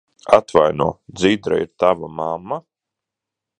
Atvaino, Dzidra ir tava mamma?